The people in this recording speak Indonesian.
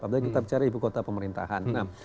apalagi kita bicara ibu kota pemerintahan